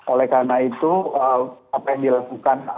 oleh karena itu apa yang dilakukan